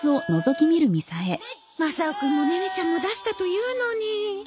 マサオくんもネネちゃんも出したというのに。